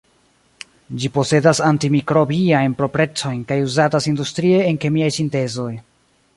Ĝi posedas anti-mikrobiajn proprecojn kaj uzatas industrie en kemiaj sintezoj.